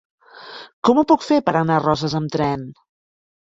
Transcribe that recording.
Com ho puc fer per anar a Roses amb tren?